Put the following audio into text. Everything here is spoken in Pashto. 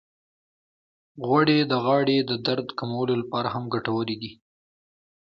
غوړې د غاړې د درد کمولو لپاره هم ګټورې دي.